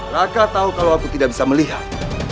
raka tahu kalau aku tidak bisa melihat